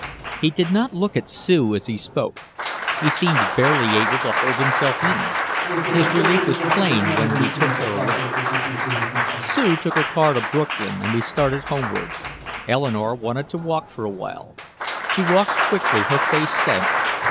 He did not look at Sue as he spoke. He seemed barely able to hold himself in. His relief was plain when we took her away. Sue took a car to Brooklyn and we started homeward. Eleanore wanted to walk for a while. She walked quickly, her face set.